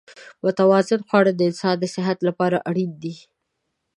متوازن خواړه د انسان د صحت لپاره اړین دي.